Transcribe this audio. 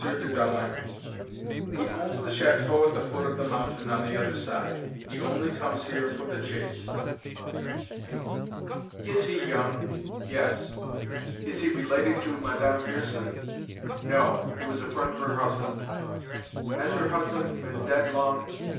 de Dalens?" "He owns the chateau at the foot of the mountain on the other side; he only comes here for the chase." "Is he young?" "Yes." "Is he related to Madame Pierson?" "No, he was a friend of her husband." "Has her husband been dead long?"